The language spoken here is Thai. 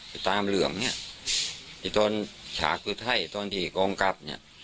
ไปตามเรื่องนี้ที่ตอนฉากซูชัยตอนที่กองกับ